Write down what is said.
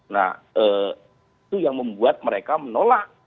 nah itu yang membuat mereka menolak